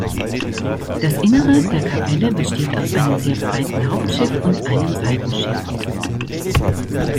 Das Innere der Kapelle besteht aus einem sehr breiten Hauptschiff und einem Seitenschiff.